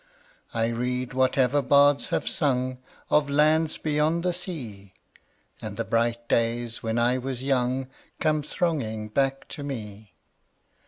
I read whatever bards have sung Of lands beyond the sea, 10 And the bright days when I was young Come thronging back to me.